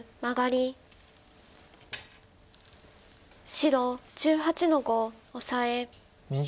白１８の五オサエ。